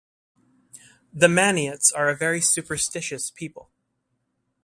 The Maniots are a very superstitious people.